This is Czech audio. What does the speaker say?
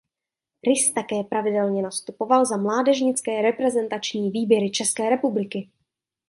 Rys také pravidelně nastupoval za mládežnické reprezentační výběry České republiky.